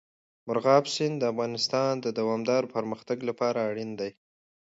مورغاب سیند د افغانستان د دوامداره پرمختګ لپاره اړین دي.